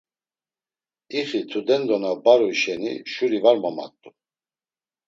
İxi tudendo na baruy şeni şuri var momat̆u.